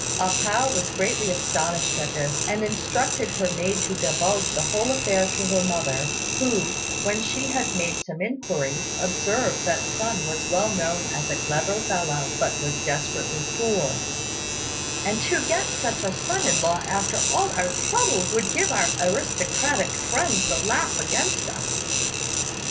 A pao was greatly astonished at this, and instructed her maid to divulge the whole affair to her mother, who, when she had made some inquiries, observed that Sun was well known as a clever fellow, but was desperately poor, and "to get such a son in law after all our trouble would give our aristocratic friends the laugh against us."